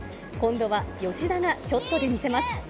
今度は吉田がショットで見せます。